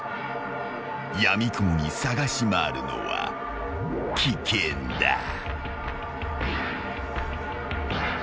［やみくもに捜し回るのは危険だ］